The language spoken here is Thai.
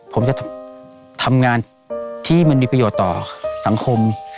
ผมจะทำงานที่มันมีประโยชน์ต่อสังคม